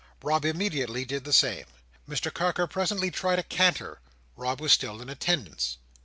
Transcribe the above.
Rob immediately did the same. Mr Carker presently tried a canter; Rob was still in attendance.